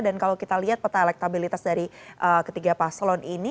dan kalau kita lihat peta elektabilitas dari ketiga paslon ini